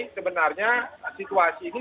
sebenarnya situasi ini